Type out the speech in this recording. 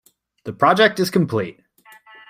The project is complete.